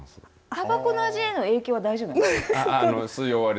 タバコの味への影響は大丈夫なんですか。